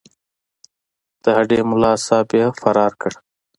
د هډې ملاصاحب یې فرار کړ.